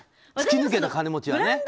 突き抜けた金持ちはね。